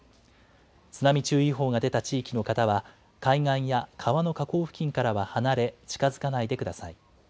津波注意報が出た地域の方は、海岸や川の河口付近からは離れ、近づかないでください。